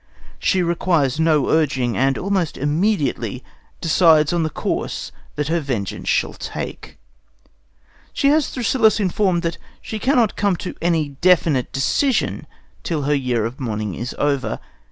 She requires no urging, and almost immediately decides on the course that her vengeance shall take. She has Thrasyllus informed that she cannot come to any definite decision till her year of mourning is over.